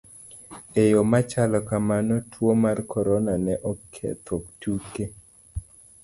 E yo ma chalo kamano, tuo mar corona ne oketho tuke.